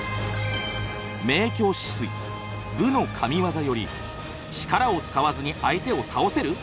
「明鏡止水武のＫＡＭＩＷＡＺＡ」より「力を使わずに相手を倒せる！？